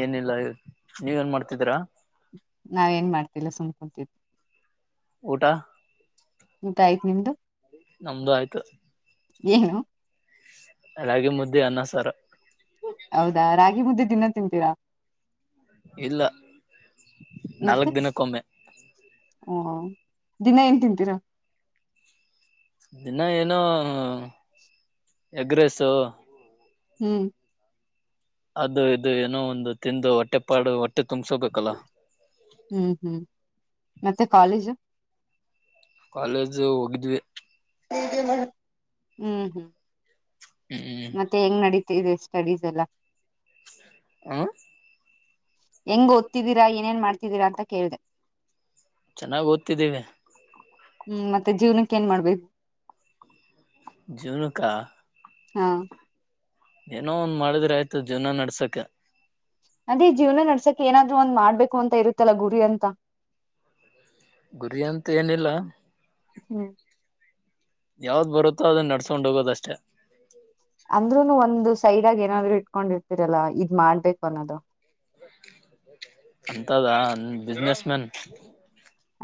ಏನಿಲ್ಲ ನೀವೆನ್ ಮಾಡ್ತಿದೀರಾ? ನಾವೇನ್ ಮಾಡ್ತಿಲ್ಲ ಸುಮ್ ಕುಂತಿ ಊಟ? ಆಯ್ತ್ ನಿಮ್ದು? ನಮ್ದು ಆಯ್ತು ಏನು ಆ ರಾಗಿ ಮುದ್ದೆ ಅನ್ನ ಸಾರು. ಹೌದಾ ರಾಗಿ ಮುದ್ದೆ ದಿನ ತಿಂತೀರಾ? ಇಲ್ಲ ಮತ್ತೆ ನಾಲ್ಕ್ ದಿನಕ್ಕೊಮ್ಮೆ. ಓ ದಿನ ಏನ್ ತಿಂತೀರಾ ದಿನ ಏನೋ ಎಗ್ರೆಸು ಹ್ಮ್ ಅದು ಇದು ಏನೋ ಒಂದು ತಿಂದು ಹೊಟ್ಟೆಪಾಡು ಹೊ ಟ [unintelligible] ಕಲ ಹ್ಮ್ ಹ್ಮ್ ಮತ್ತೆ ಕಾಲೇಜು ಕಾಲೇಜು ಹೋಗಿದ್ವಿ ಹ್ಮ್ ಹ್ಮ್ ಹ್ಮ್ ಮತ್ತೆ ಹೆಂಗ್ ನಡೀತ್ [unintelligible] ಇದೆ ಸ್ಟಡೀಸ್ ಎಲ್ಲ ಹ ಹೆಂಗ್ ಓದ್ತಿದ್ದೀರಾ ಏನೇನ್ ಮಾಡ್ತಿದ್ದೀರಾ ಅಂತ ಕೇಳಿದೆ ಚೆನ್ನಾಗಿ ಓದ್ತಿದ್ದೀವಿ ಹ್ಮ್ ಮತ್ತೆ ಜೀವ್ನಕ್ಕೆ ಏನ್ ಮಾಡ್ಬೇ ಜೀವ್ನಕ್ಕ ಹಾ ಏನೋ ಒಂದ್ ಮಾಡಿದ್ರೆ ಆಯ್ತು ಜೀವನ ನಡ್ಸಕೆ ಅದೇ ಜೀವನ ನಡ್ಸಕ್ ಏನಾದ್ರು ಒಂದ್ ಮಾಡ್ಬೇಕು ಅಂತ ಇರುತ್ತಲ್ಲ ಗುರಿ ಅಂತ ಗುರಿ ಅಂತ ಏನಿಲ್ಲ ಹ್ಮ್ ಯಾವ್ದ್ ಬರುತ್ತೋ ಅದನ್ನ ನಡ್ಸ್ಕೊಂಡ್ ಹೋಗೋದಷ್ಟೇ ಅಂದ್ರೂನೂ ಒಂದು ಸೈಡ್ಗ ಏನಾದ್ರು ಇಟ್ಕೊಂಡಿರ್ತರಲ್ಲ ಇದ್ ಮಾಡ್ಬೇಕು ಅನ್ನೋದು ಅಂತದ ಬಿಸಿನೆಸ್ ಮ್ಯಾನ್ [unintelligible]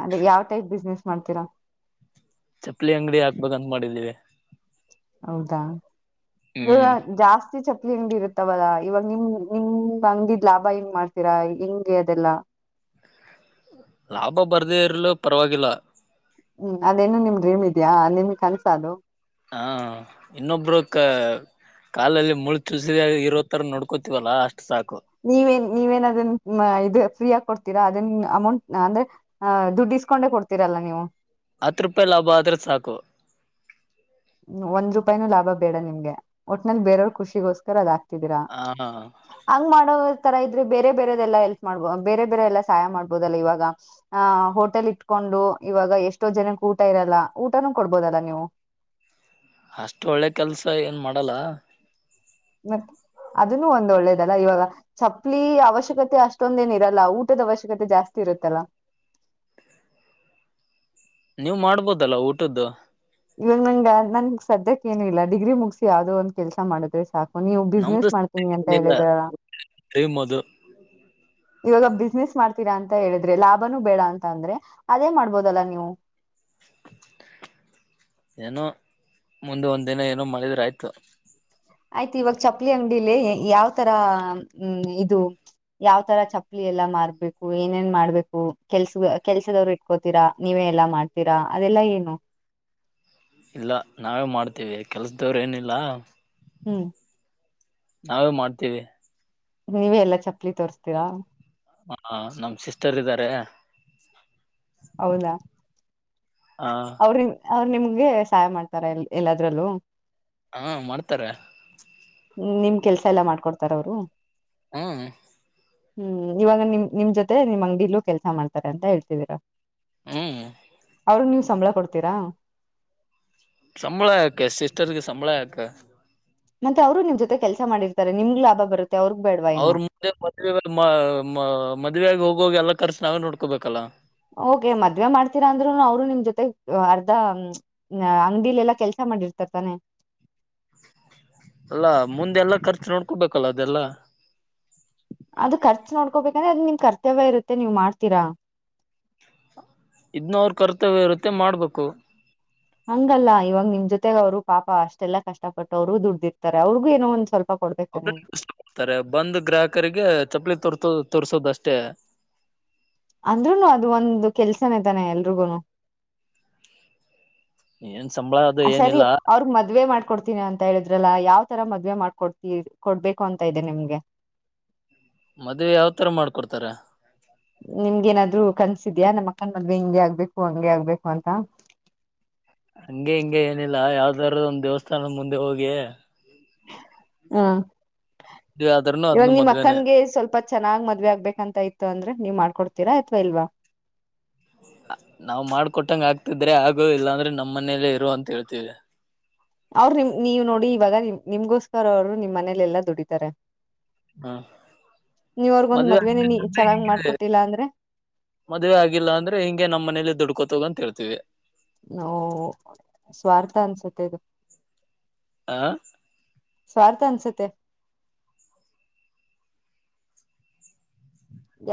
ಅದೇ ಯಾವ್ ಟೈಪ್ ಬಿಸ್ನೆಸ್ ಮಾಡ್ತೀರಾ ಚಪ್ಪಲಿ ಅಂಗಡಿ ಹಾಕ್ಬೇಕ ಅಂದ ಮಾಡಿದ್ದೀವಿ ಹೌದಾ [unintelligible] ಇ ಜಾಸ್ತ ಜಾಸ್ತಿ ಚಪ್ಲಿ ಅಂಗಡಿ ಇರುತ್ತಾವಲ್ಲಾ ಇವಾಗ ನಿಮ್ ನಿಮ ಅಂಗಡಿದ್ ಲಾಭ ಹೆಂಗ್ ಮಾಡ್ತೀರಾ ಹೆಂಗೆ ಅದೆಲ್ಲ ಲಾಭ ಬರ್ದೇ ಇರ್ಲು ಪರವಾಗಿಲ್ಲ ಹ್ಮ್ ಅದೇನು ನಿಮ್ ಡ್ರೀಮ್ ಇದಿಯಾ ನಿಮ್ಗ್ ಕನಸ ಅದು ಹಾ ಇನ್ನೊಬ್ರು ಕ ಕಾಲಲ್ಲಿ ಮುಳು ಚುಸಲಿ ಇರೋ ತರ ನೋಡ್ಕೋತಿವಲ್ಲಾ ಅಷ್ಟ ನೀವೇನ್ ನೀವೇನದನ್ ಇದ್ ಫ್ರೀ ಆ [unintelligible] ಕೊಡ್ತೀರಾ ಅದನ್ ಅಮೌಂಟ್ ಅಂದ್ರೆ ಅ ದುಡ್ಡಿಸ್ಕೊಂಡೆ ಕೊಡ್ತೀರಲ್ಲಾ ನೀವು ಹತ್ ರೂಪಾಯಿ ಲಾಭ ಆದ್ರ ಸಾಕು ಒಂದ್ ರೂಪಾಯನುು ಲಾಭ ಬೇಡ ನಿಮ್ಗೆ ಒಟ್ನೇಲ್ಲಿ ಬೇರವ್ರರು ಖುಷಿಗೋಸ್ಕರ ಅದ ಆತ [unintelligible] ರಾ ಹ ಹಂಗ್ ಮಾಡೋ ತರ ಇದ್ರೆ ಬೇರೆ ಬೇರೆದೆಲ್ಲ ಎಲ್ಪ್ ಮಾಡ್ಬೋ ಬೇರೆ ಬೇರೆ ಎಲ್ಲಾ ಸಹಾಯ ಮಾಡ್ಬೋದಲ್ಲಾ ಇವಾಗ ಅ ಹೋಟೆಲ್ ಇಟ್ಕೊಂಡು ಇವಾಗ ಎಷ್ಟೋ ಜನಕ್ಕೆ ಊಟ ಇರಲ್ಲ ಊಟನೂ ಕೊಡ್ಬೋದಲ್ಲಾ ನೀವು ಅಷ್ಟು ಒಳ್ಳೆ ಕೆಲಸ ಏನು ಮಾಡಲ್ಲ ಮತ್ ಅದನು ಒಂದ ಒಳ್ಳೇದಲ್ಲ ಇವಾಗ ಚಪ್ಪಲಿ ಅವಶ್ಯಕತೆ ಅಷ್ಟೊಂದ ಏನ ಇರಲ್ಲ ಊಟದ ಅವಶ್ಯಕತೆ ಜಾಸ್ತಿ ಇರುತ್ತಲ್ಲ ನೀವ್ ಮಾಡ್ಬೋದಲ್ಲ ಊಟದ್ದು ಇವಗ್ ನನ್ಗೆ ನನ್ ಸದ್ಯಕ್ಕೆ ಏನುೂ ಇಲ್ಲ ಡಿಗ್ರಿ ಮುಗಸಿ ಯಾವ್ದದೋ ಒಂದ್ ಕೆಲ್ಸ ಮಾಡುದ್ರೆ ಸಾಕು ನೀವು ನಮ್ದು ಬಿಸ್ನೆಸ್ ಮಾಡ್ತೀನಿ ಅಂತ ಏನಿಲ್ಲ ಹೇಳಿದ್ರಲ್ಲ ಡ್ರೀಮ್ ಅದು [unintelligible] ಇವಾಗ ಬಿಸ್ನೆಸ್ ಮಾಡ್ತೀರಾ ಅಂತ ಹೇಳಿದ್ರೆ ಲಾಭನೂ ಬೇಡ ಅಂತ ಅಂದ್ರೆ ಅದೇ ಮಾಡ್ಬೋದಲ್ಲ ನೀವು ಏನೋ ಮುಂದೆ ಒಂದು ದಿನ ಏನೋ ಮಾಡಿದ್ರಾಯ್ತು. ಆಯ್ತು ಇವಾಗ ಚಪ್ಪಲಿ ಅಂಗಡಿಲಿ ಯಾವ್ತರ ಹ್ಮ್ ಇದು ಯಾವ್ತರ ಚಪ್ಪಲಿ ಎಲ್ಲಾ ಮಾರ್ಬೇಕು ಏನೇನ್ ಮಾಡ್ಬೇಕು ಕೆಲ್ಸ ಕೆಲ್ಸದವ್ರು ಇಟ್ಕೋತೀರಾ ನೀವೇ ಎಲ್ಲಾ ಮಾಡ್ತೀರಾ ಅದೆಲ್ಲಾ ಏನು. ಇಲ್ಲ ನಾವೇ ಮಾಡ್ತೀವಿ ಕೆಲ್ಸದವ್ರ್ ಏನಿಲ್ಲ. ಹ್ಮ್ ನಾವೇ ಮಾಡ್ತೀವಿ. ನೀವೇ ಎಲ್ಲಾ ಚಪ್ಲಿ ತೋರ್ಸ್ತೀರಾ? ಮಾ ನಮ್ ಸಿಸ್ಟರ್ ಇದ್ದಾರೆ. ಹೌದ? ಆ ಅವ್ರ್ ನಿಮ್ಗೆ ಸಹಾಯ ಮಾಡ್ತಾರ ಎ ಎಲ್ಲಾದ್ರಲ್ಲೂ? ಹಾಂ ಮಾಡ್ತಾರೆ. ಹ್ಮ್ ನಿಮ್ ಕೆಲ್ಸ ಎಲ್ಲಾ ಮಾಡ್ಕೊಡ್ತಾರ ಅವರು? ಹ್ಮ್. ಹ್ಮ್ ಇವಾಗ ನಿಮ್ ನಿಮ್ ಜೊತೆ ನಿಮ್ ಅಂಗ್ಡೀಲು ಕೆಲ್ಸ ಮಾಡ್ತಾರೆ ಅಂತ ಹೇಳ್ತಿದೀರಾ. ಹ್ಮ್ ಅವರುಗ್ ನೀವ್ ಸಂಬಳ ಕೊಡ್ತೀರಾ? ಸಂಬಳ ಯಾಕೆ ಸಿಸ್ಟರ್ಗೆ ಸಂಬಳ ಯಾಕೆ? ಮತ್ತೆ ಅವರು ನಿಮ್ ಜೊತೆ ಕೆಲಸ ಮಾಡರ್ತಾರೆ ನಿಮ್ಗ್ ಲಾಭ ಬರುತ್ ಅವ್ರ್ ಮುಂದೆ ಮದುವೆ ಒಂದ್ ಮ ಮ ಮದ್ವೆ ಆಗ್ ಹೋಗೋವಾಗ್ ಎಲ್ಲ ಕರ್ಸ್ ನಾವೇ ನೋಡ್ಕೊಬೇಕಲ್ಲ. ಓಕೆ ಮದ್ವೆ ಮಾಡ್ತೀರಾ ಅಂದ್ರುನೂ ಅವ್ರು ನಿಮ್ ಜೊತೆ ಅರ್ಧ ಅಂಗ್ಡಿಲೆಲ್ಲಾ ಕೆಲ್ಸ ಮಾಡಿರ್ತಾರೆ ತಾನೆ? ಅಲ್ಲಾ ಮುಂದೆಲ್ಲ ಖರ್ಚ್ ನೋಡ್ಕೊಬೇಕಲ್ಲ ಅದೆಲ್ಲ ಅದು ಖರ್ಚ್ ನೋಡ್ಕೋಬೇಕಂದ್ರೆ ಅದ್ ನಿಮ್ ಕರ್ತವ್ಯ ಇರುತ್ತೆ ನೀವ್ ಮಾಡ್ತೀರಾ. ಇದ್ನು ಅವ್ರ್ ಕರ್ತವ್ಯ ಇರುತ್ತೆ ಮಾಡ್ಬೇಕು. ಅಂಗಲ್ಲ ಇವಾಗ್ ನಿಮ್ ಜೊತೆಗ್ ಅವ್ರು ಪಾಪ ಅಷ್ಟೆಲ್ಲಾ ಕಷ್ಟಪಟ್ಟು ಅವ್ರುಾ ದುಡ್ದಿರ್ತಾರೆ ಅವ್ರ್ ಗೂ ಏನೋ ಒಂದ್ ಸ್ವಲ್ ಮಾಡ್ತಾರೆ ಬಂದ್ ಗ್ರಾಹಕರಿಗೆ ಚಪ್ಲಿ ತೋರ ಸೋದ ಅಷ್ಟೇ ಅಂದ್ರುನು ಅದು ಒಂದು ಕೆಲ್ಸನೇ ತಾನೆ ಎಲ್ರಿಗೂನು ಏನ್ ಸಂಬಳ ಅದು ಸರಿ ಏನಿಲ್ಲ ಅವ್ರಗ್ ಮದ್ವೆ ಮಾಡ್ಕೊಡ್ತೀನಿ ಅಂತ ಹೇಳಿದ್ರಲ್ಲ ಯಾವ್ ತರ ಮದ್ವೆ ಮಾಡ್ಕೊಡ್ತೀ ಕೊಡ್ಬೇಕು ಅಂತ ಇದೆ ನಿಮ್ಗೆ ಮದ್ವೆ ಯಾವತರ ಮಾಡ್ಕೊಡತಾರೆ ನಿಮ್ಗೆೇ ಏನಾದ್ರು ಕನಸಿದೆಯಾ ನಮ್ಮ ಅಕ್ಕನ ಮದ್ವೆ ಹಿಂಗೆ ಆಗ್ಬೇಕು ಹಂಗೆ ಆಗ್ಬೇಕು ಅಂತ. ಹಂಗೆ ಹಿಂಗೆ ಏನಿಲ್ಲ ಯಾವ್ದಾರ್ದು ಒಂದ್ ದೇವಸ್ಥಾನದ ಮುಂದೆ ಹೋಗಿ ಹ್ಮ ಮದ್ವೆ ಆದ್ರೂನು ಇವಾಗ ಅದ್ನು ನಿಮ್ ಮದ್ವೆನೆ ಅಕ್ಕನ್ಗೆ ಸ್ವಲ್ಪ ಚೆನ್ನಾಗ್ ಮದ್ವೆ ಆಗ್ಬೇಕಂತ ಇತ್ತು ಅಂದ್ರೆ ನೀವ್ ಮಾಡ್ಕೊಡ ತೀರಾ ಆಯತ್ವಾ ಇಲ್ವಾ ನಾವ್ ಮಾಡ್ಕೊಟ್ಟಂಗ ಆಗ್ತಿದ್ರೆ ಆಗು ಇಲ್ಲಾಂದ್ರೆ ನಮ್ಮ್ ಮನೇಲ್ಲೇ ಇರು ಅಂತ ಹೇಳ್ತೀವಿ ಅವರು ನಿಮ್ ನೀವ್ ನೋಡಿ ಇವಾಗ ನಿಮ್ ನಿಮ್ಗೋಸ್ಕರ ಅವರು ನಿಮ್ ಮನೇಲೆ ಎಲ್ಲಾ ದುಡಿತಾರೆ ಹಾ ನೀವ್ ಅವ್ರಗೊಂದ್ ಮದವೆ ಮದ್ವೆನೆ ಆಲ್ಲ ನೀ ಅಂದ್ರೆ ಚೆನ್ನಾಗ್ ಹ ಮಾಡ್ಕೊಟ್ಟಿಲ್ಲ ಅಂದ್ರೆ ಮದ್ವೆ ಆಗಿಲ್ಲ ಅಂದ್ರೆ ಹಿಂಗೆ ನಮ್ಮ್ ಮನೇಲಿ ದುಡ್ಕೋತ ಹೋಗ್ ಅಂತ ಹೇಳ್ತೀವಿ ನೋ ಸ್ವಾರ್ಥ ಅನ್ಸತ್ತೆ ಇದು ಆ ಸ್ವಾರ್ಥ ಅನ್ಸುತ್ತೆ..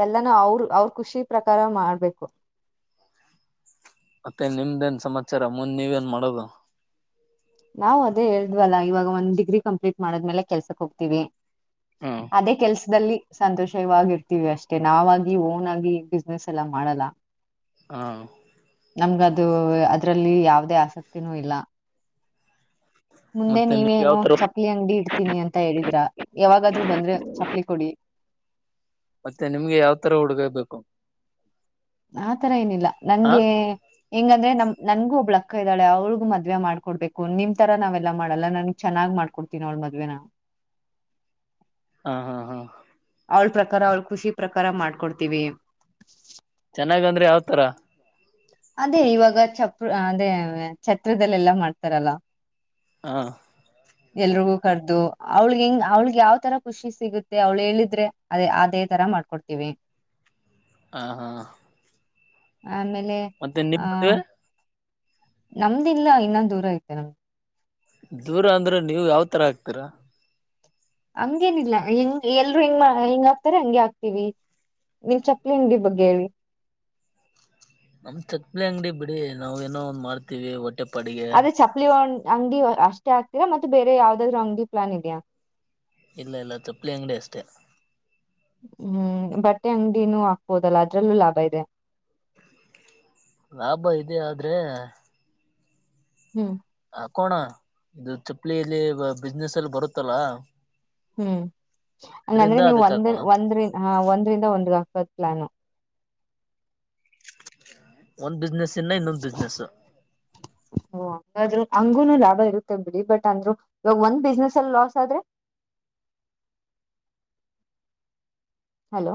ಎಲ್ಲಾನ ಅವರು ಅವ್ರ ಖುಷಿ ಪ್ರಕಾರ ಮಾಡ್ಬೇಕು ಮತ್ತೆ ನಿಮ್ದೇನ್ ಸಮಾಚಾರ ಮುಂದ್ ನೀವೇಏನ್ ಮಾಡೋದು ನಾವ್ ಅದೇ ಹೇಳಿದ್ವಲ್ಲ ಇವಾಗ ಒಂದ್ ಡಿಗ್ರಿ ಕಂಪ್ಲೀಟ್ ಮಾಡದ್ಮೇಲೆ ಕೆಲ್ಸಕ್ ಹೋಗ್ತಿೀವಿ ಹಾ ಅದೇ ಕೆಲ್ಸದಲ್ಲಿ ಸಂತೋಷವಾಗಿರ್ತೀವಿ ಅಷ್ಟೆ ನಾವಾಗಿ ಓನ್ ಆಗಿ ಬಿಸ್ನೆಸ್ ಎಲ್ಲ ಮಾಡಲ್ಲ ಹಾ ನಮ್ಗದು ಅದ್ರಲ್ಲಿ ಯಾವದೇ ಆಸಕ್ತಿನೂ ಇಲ್ಲ ಮುಂದೆ ಮತ್ತೆ ನಿಮ್ ನೀವೇನು ಯಾವ ತರ ಚಪ್ಪಲಿ ಅಂಗಡಿ ಇಡ್ತೀನಿ ಅಂತ ಹೇಳಿದ್ರ ಯಾವಾಗಾದ್ೂ ಬಂದ್ರೆ ಚಪ್ಪಲಿ ಕೊಡಿ ಮತ್ತೆ ನಿಮ್ಗೆ ಯಾವ ತರ ಹುಡುಗ ಬೇಕು ಆತರ ಏನಿಲ್ಲ ಹ ನಂಗೆ ಹೆಂಗಂದ್ರೆ ನಮ ನನ್ಗು ಒಬ್ಳ ಅಕ್ಕ ಇದ್ದಾಳೆ ಅವ್ಿಗು ಮದ್ವೆ ಮಾಡ್ಕೊಡ್ಬೇಕು ನಿಮ್ ತರ ನಾವೆಲ್ಲಾ ಮಾಡಲ್ಲ ನನ್ಗ್ ಚೆನ್ನಾಗ್ ಮಾಡ್ಕೊಡ್ತೀನಿ ಅವಳ್ ಮದ್ವೆ ನಾ ಹಾ ಹಾ ಹಾ ಅವಳ ಪ್ರಕಾರ ಅವಳ ಖುಷಿ ಪ್ರಕಾರ ಮಾಡ್ಕೊಡ್ತೀವಿ ಚೆನ್ನಾಗ ಅಂದ್ರೆ ಯಾವತರ ಅದೇ ಇವಾಗ ಚಪ ಅದೇ ಛತ್ದಲ್ಲ ಎಲ್ಲಾ ಮಾಡ್ತಾರಲ್ಲ ಹಾ ಎಲ್ರಿಗೂ ಕರ್ದು ಅವ್ಳಗೆ ಹೆಂಗ್ ಅವ್ಳಿಗೆ ಯಾವ್ತರ ಖುಷಿ ಸಿಗುತ್ತೆ ಅವ್ಳ ಹೇಳಿದ್ರೆ ಅದೇ ಅದೇ ತರ ಮಾಡ್ಕೊಡ್ತೀವಿ ಹ ಹಾ ಆಮೇಲೆ ಲೆ ಮತ್ತೆ ನಿಮ್ ಅ ಮದ್ವೆ ನಮ್ದಿಲ್ಲ ಇನ್ನ ದೂರ ಐತೆ ನಮ್್ದ ದೂರ ಅಂದ್ರೆ ನೀವವು ಯಾವತರ ಹಾಕ್ತೀರಾ ಹಂಗೇನಿಲ್ಲಾ ಹೆಂಗ ಎಲ್ರು ಹಿಂಗ್ ಹೆಿಂಗ ಹಾಕ್ತಾರೆ ಹಂಗಗೆ ಹಾಕ್ತಿವಿ ನೀನ್ ಚಪ್ಪಲಿಿ ಬಗ್ಗೆ ಹೇಳಿ ನಮ್ ಚಪ್ಪಲಿ ಅಂಗಡಿ ಬಿಡಿ ನಾವವು ಏನೋ ಒಂದ್ ಮಾಡ್ತೀವಿ ಒಟ್ಟ ಅದೇ ಚಪ್ಪಲಿ ಒಂ ಅಂಗಡಿ ಅಷ್ಟೇ ಆಗ್ತೀರಾ ಮತ್ತೆ ಬೇರೆ ಯಾವ್ದಾದ್ರು ಅಂಗಡಿ ಪ್ಲಾನ್ ಇದೆಯಾ ಇಲ್ಲ ಇಲ್ಲ ಚಪ್ಪಲಿ ಅಂಗಡಿ ಅಷ್ಟೇ ಹ್ಮ್ ಬಟ್ಟೆ ಅಂಗಡಿನೂ ಹಾಕ್ಬೋದಲ್ಲ ಅದ್ರಲ್ಲೂ ಲಾಭ ಇದೆ ಲಾಭ ಇದೆ ಆದ್ರೆ ಹ್ಮ್ ತಕೋಣ ಇದು ಚಪ್ಪಲಿಿಯಲ್ಲಿ ಬಿಸ್ನೆಸ್ ಎಲ್ಲಿ ಬರುತ್ತಲ್ಲ ಹ್ಮ್ ಅಂಗಂದ್ರೆ ಇದ್ರಿಂದ ನೀವು್ ಅದಕ್ ಒಂದ್ ಹಾಕೋಣ ಒಂದ್ರಿಂದ ಹ ಒಂದ್ರಂದ ಒಂದ್ಗತ ಪ್ಪತ್ಲಾನು ಒಂದ್ ಬಿಸ್ನೆಸ್ ಇನ್ನ ಇನ್ನೊಂದ್ ಬಿಸ್ನೆಸ್ ಯ್ರರು ಹಂಗುನು ಲಾಭ ಇರುತ್ತೆ ಬಿಡಿ ಬಟ್ ಅಂದ್ರು ಇವಾಗ ಒಂದ್ ಬಿಸ್ನೆಸ್ ಅಲ್ಲಿ ಲಾಸ್ ಆದ್ರೆ ಹಲೋ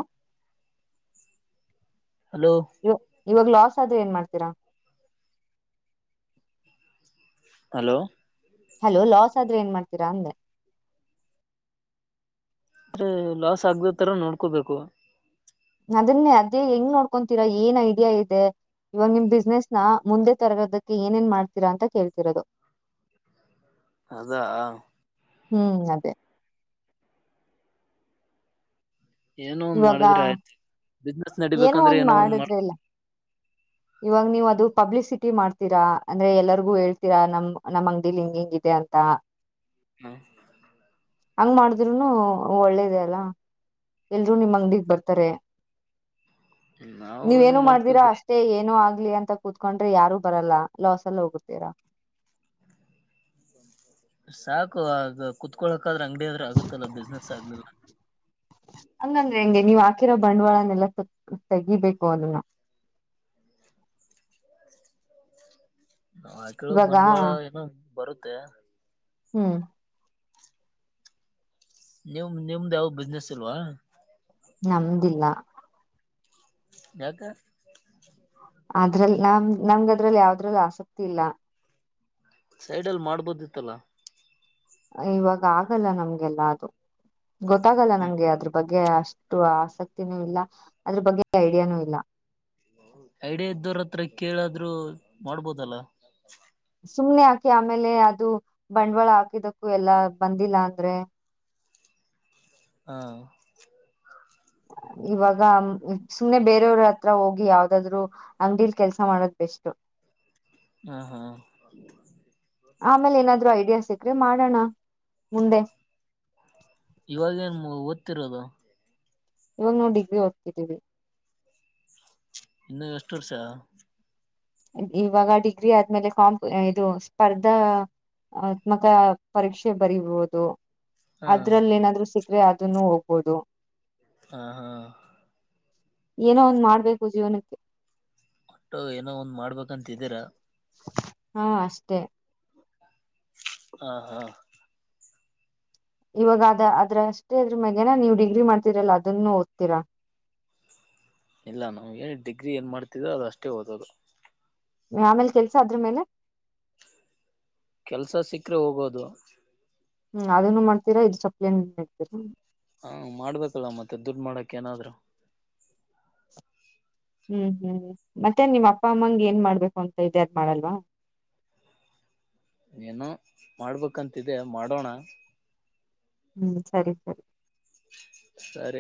ಹಲೋ ಇವ ಇವಾಗ ಲಾಸ್ ಅದು ಏನ್ ಮಾಡ್ತೀರಾ ಹಲೋ ಹಲೋ ಲಾಸ್ ಆದ್ರೆ ಏನ್ ಮಾಡ್ತೀರಾ ಅಂದೆ ಆದ್ರೆ ಲಾಸ್ ಆಗ್ದ ತರ ನೋಡ್ಕೋಬೇಕು ಅದನ್ನ ಅದೇ ಹೆಂಗ್ ನೋಡ್ಕೊತೀರಾ ಏನ್ ಐಡಿಯಾ ಇದೆ ಇವಾಗ ನಿಮ್ ಬಿಸ್ನೆಸ್ ನ ಮುಂದೆ ತರೋದಕ್ಕೆ ಏನೇಏನ್ ಮಾಡ್ತೀರಾ ಅಂತ ಕೇಳ್ತಿರೋದು ಅದಾ ಹ್ಮ್ ಅದೇ ಏನೋ ಒಂದ್ ಇವಾಗ ಮಾಡಿದ್ರೆ ಆಯ್ತು ಬಿಸ್ನೆಸ್ ನಡಿಬೇಕಂದ್ರೆ ಏನೋ ಒಂದ್ ಮಾಡ ಇವಾಗ ನೀವ ಅದು ಪಬ್ಲಿಸಿಟಿ ಮಾಡ್ತೀರಾ ಅಂದ್ರೆ ಎಲ್ಲರಿಗೂ ಹೇಳ್ತೀರಾ ನಮ ನಮ್ಮಂಗಡಿಿಲ್ ಹಿಂಗ್ ಹಿಂಗ್ ಇಿದೆ ಅಂತ ಹ್ಮ ಹಂಗ್ ಮಾಡಿದ್ರುನು ಒಳ್ಳೇದ ಅಲ್ಲ ಎಲ್ರುೂ ನಿಮ್ಮ್ ಅಂಗಡಗ್ ಬರ್ತಾರೆ ನಾವ ನೀವ ಏನು ಮಾಡ್ತೀವಿ ಮಾಡ್್ದಿರಾ ಬಿಡಿ ಅಷ್ಟೇ ಏನು ಆಗ್ಲಿ ಅಂತ ಕುೂತ್ಕೊಂಡ್ರೆ ಯಾರು ಬರಲ್ಲ ಲಾಸ್ ಅಲ್ಲಿ ಹೋಗುತ್ತೀರಾ ಸಾಕು ಆಗ ಕುೂತ್ಕೊಳ ಹಾದ್ರೆ ಅಂಗಡಿಿಯ ಅಂದ್ರ ಆಗುತ್ತಲ್ಲ ಬಿಸ್ನೆಸ್ ಆಗ್ಲಿಲ್ಲ ಹಂಗಂದ್ರೆ ಹೆಂಗೆ ನೀವ್ ಹಾಕಿರೋ ಬಂಡವಾಳನ್ನೆಲ್ಲ ತೆಗಿಬೇಕು ಅದನ್ನ ನಾ ಆಕೇಳೋ ಇವಾಗ ಬಂಡವಾಳ ಏನು ಬರು ತ್ತ ಹ್ಮ್ ನಿಮ ನಿಮ್ದ್ ಯಾವ್ದ ಬಿಸ್ನೆಸ್ ಇಲ್ವಾ ನಮ್ದಿಲ್ಲ ಯಾಕ ಅದ್ರಲ್ ನಮ ನಮ್ಗದ್ರಲ್ಲಿ ಯಾವದ್ರಲ್ಲಿ ಆಸಕ್ತಿ ಇಲ್ಲ ಸೈಡ್ ಅಲ್ಲಿ ಮಾಡ್ಬೋದಿತ್ತಲ್ಲಾ ಇವಾಗ ಆಗಲ್ಲ ನಮ್ಗೆಲ್ಲಾ ಅದು ಗೊತ್ತಾಗಲ್ಲ ನಂಗೆ ಅದ್ರ ಬಗ್ಗೆ ಅಷ್ಟ ಅಷ್ಟು ಆಸಕ್ತಿನೂ ಇಲ್ಲ ಅದ್ರ ಬಗ್ಗೆ ಐಡಿಯಾನು ಇಲ್ಲ ಐಡಿಯಾ ಇದ್ದವ್ರ ಹತ್ರ ಕೇಳಾದ್ರು ಮಾಡ್ಬೋದಲ್ಲ ಸುಮ್ನೆ ಹಾಕಿ ಆಮೇಲೆ ಅದು ಬಂಡವಾಳ ಹಾಕಿದಕ್ಕೂ ಎಲ್ಲಾ ಬಂದಿಲ್ಲ ಅಂದ್ರೆ ಹಾ ಇವಾಗ ಸುಮ್ನೆ ಬೇರೆಯವ್ರ ಹತ್ರ ಹೋಗಿ ಯಾವ್ದಾದ್ರು ಅಂಗಡಿೀಲಿ ಕೆಲ್ಸ ಮಾಡದ್ ಬೆಸ್ಟು ಹಾ ಹಾ ಆಮೇಲೆ ಏನಾದ್ರು ಐಡಿಯಾಸ ಮತ್ತು ಸೀಕ್ಕರೆ ಮಾಡೋಣ ಮುಂದೆ ಇವಾಗೇನ್ ಓದ್ತಿರೋದು ಇವಾಗ ನಾವು ಡಿಗ್ರಿ ಹೋಗ್ತಿದೀವಿ ಇನ್ನು ಎಷ್ಟು ವರ್ಷ ಇವಾಗ ಡಿಗ್ರಿ ಆದ್ಮೇಲೆ ಕಾಂಪ್ ಇದು ಸ್ಪರ್ಧಾ ಆತ್ಮಕ ಪರೀಕ್ಷೆ ಬರಿೀಬಹುದು ಹಾ ಅದ್ರಲ್ಲಿ ಏನಾದ್ರು ಸಿ ಆದ್ರೆ ಅದನ್ನು ಹೋಗ್ಬೋದು ಹಾ ಹಾ ಏನೋ ಒಂದು ಮಾಡ್ಬೇಕು ಜೀವನಕ್ಕೆ ಒಟ್ಟು ಏನೋ ಒಂದ್ ಮಾಡ್ಬೇಕಂತ ಇದೀರಾ ಹಾ ಅಷ್ಟೇ ಹಾ ಹಾ ಇವಾಗ ಅದ ಅದ್ರ ಅಷ್ಟೇ ಅದ್ರ ಮೇಾಗೇನ ನೀವ್ ಡಿಗ್ರಿ ಮಾಡ್ತೀರಲ್ಲ ಅದನ್ನು ಓದ್ತೀರಾ ಇಲ್ಲ ನಾ್ ಿ ಡಿಗ್ರಿ ಏನ್ ಮಾಡ್ತಿದೋ ಅದು ಅಷ್ಟೇ ಓದೋದು ಆಮೇಲೆ ಕೆಲ್ಸ ಅದ್ರ ಮೇಲೆ ಕೆಲ್ಸ ಸಿಕ್ಕ್ರೆ ಹೋಗೋದು ಹ್ಮ್ ಅದೇನ್ನು ಮಾಡ್ತೀರಾ ಇದ್ ಸಪ್ಲ ಇಡ್ತೀರಾ ಹಾ ಮಾಡ್ಬೇಕಲ್ಲ ಮತ್ತೆ ದುಡ್ ಮಾಡಕ್ ಏನಾದ್ರು. ಹ್ಮ್ ಹ್ಮ್ ಮತ್ತೆ ನಿಮ್ಮ್ ಅಪ್ಪ ಅಮ್ಮಂಗ್ ಏನ್ ಮಾಡ್ಬೇಕು ಅಂತ ಇದೆ ಅದ್ ಮಾಡಲ್ವಾ. ಏನೋ ಮಾಡ್ಬೇಕಂತಿದೆ ಮಾಡೋಣ. ಹ್ಮ್ ಸರಿ ಸರಿ. ಸರಿ.